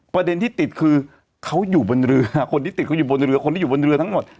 ประเด็นที่ติดคือเขาอยู่บนเรือคนที่ติดเขาอยู่บนเรือคนที่อยู่บนเรือทั้งหมด